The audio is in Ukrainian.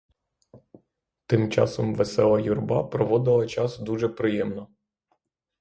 Тим часом весела юрба проводила час дуже приємно.